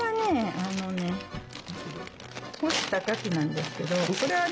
あのね干したかきなんですけどこれはね